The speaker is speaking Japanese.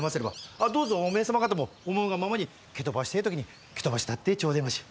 あっどうぞおめえ様方も思うがままに蹴飛ばしてえ時に蹴飛ばしたってちょでまし！